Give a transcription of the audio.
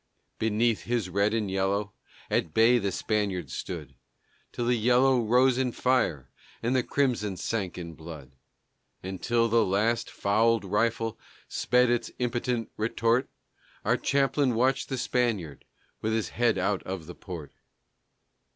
Beneath his red and yellow, At bay the Spaniard stood Till the yellow rose in fire And the crimson sank in blood. And till the last fouled rifle Sped its impotent retort, Our chaplain watched the Spaniard With his head out of the port.